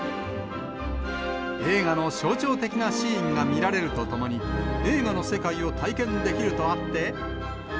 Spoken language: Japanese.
映画の象徴的なシーンが見られるとともに、映画の世界を体験できるとあって。